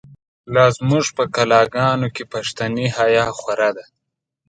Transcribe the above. لازموږ په کلاګانو، پښتنی حیا خو ره ده